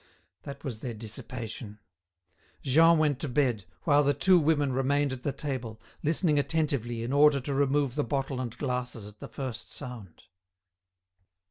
That was their dissipation. Jean went to bed, while the two women remained at the table, listening attentively in order to remove the bottle and glasses at the first sound.